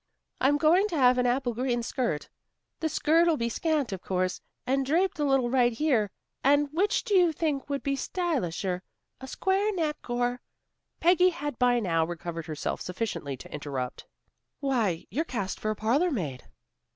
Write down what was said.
"I'm going to have an apple green silk. The skirt'll be scant, of course, and draped a little right here. And which do you think would be stylisher, a square neck or " Peggy had by now recovered herself sufficiently to interrupt. "Why, you're cast for a parlor maid."